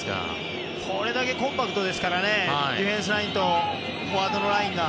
これだけコンパクトですからねディフェンスラインとフォワードのラインが。